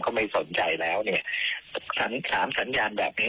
เขาไม่สนใจแล้วสามสัญญาณแบบนี้